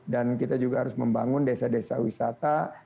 dan kita juga harus membangun desa desa wisata